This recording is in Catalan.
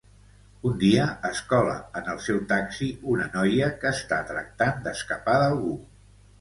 Un dia es cola en el seu taxi una noia, que està tractant d'escapar d'algú.